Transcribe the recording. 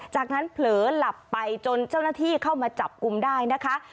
จากนั้นเผลอหลับไปจนเจ้าหน้าที่เข้ามาจับกลุ่มได้นะคะ